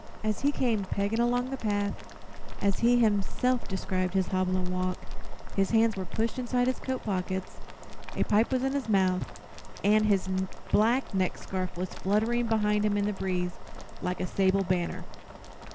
As he came "pegging" along the path, as he himself described his hobbling walk, his hands were pushed into his coat pockets, a pipe was in his mouth and his black neckscarf was fluttering behind him in the breeze like a sable banner.